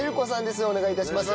お願い致します。